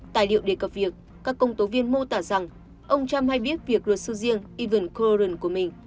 tài liệu đề cập việc các công tố viên mô tả rằng ông trump hay biết việc luật sư riêng even coldern của mình